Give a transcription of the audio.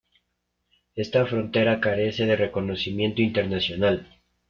Esta frontera carece de reconocimiento internacional.